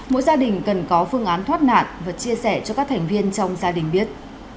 mỗi gia đình cần có phương án thoát nạn và chia sẻ cho các thành viên trong gia đình biết